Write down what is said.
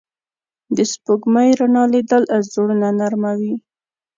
د سپوږمۍ رڼا لیدل زړونه نرموي